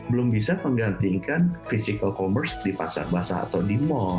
belum bisa menggantikan physical commerce di pasar basah atau di mall